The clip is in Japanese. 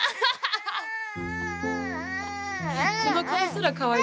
この顔すらかわいいです。